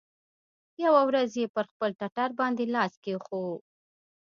يوه ورځ يې پر خپل ټټر باندې لاس کښېښوو.